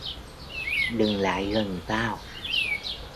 Đừng lại gần tao